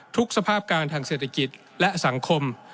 สภาพการทางเศรษฐกิจและสังคม